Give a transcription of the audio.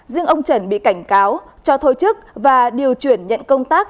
riêng ông trần bị cảnh cáo cho thôi chức và điều chuyển nhận công tác